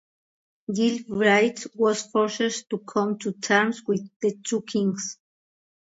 Gille Brigte was forced to come to terms with the two kings.